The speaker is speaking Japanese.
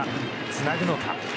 つなぐのか。